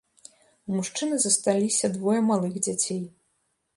У мужчыны засталіся двое малых дзяцей.